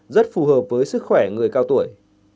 rất phù hợp với sức khỏe người cao tuổi